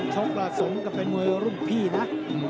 ชกประสงค์กับเป็นมวยรุ่นพี่นะ